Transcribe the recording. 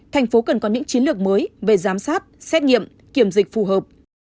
tp hcm cần có những chiến lược mới về giám sát xét nghiệm kiểm dịch phù hợp